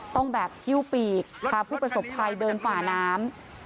ต้องแบบคิ้วปีกพื้นไปสบทัยเดินฝาน้ำ